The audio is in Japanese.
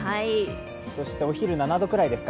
お昼７度くらいですか。